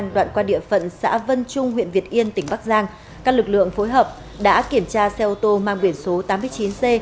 đoạn qua địa phận xã vân trung huyện việt yên tỉnh bắc giang các lực lượng phối hợp đã kiểm tra xe ô tô mang quyển số tám mươi chín c một mươi bảy nghìn hai trăm bốn mươi bốn